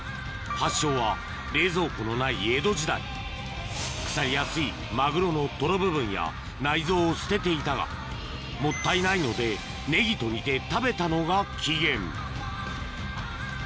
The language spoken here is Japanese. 発祥は冷蔵庫のない江戸時代腐りやすいマグロのトロ部分や内臓を捨てていたがもったいないのでネギと煮て食べたのが起源